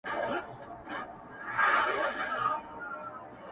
مه وله د سترگو اټوم مه وله~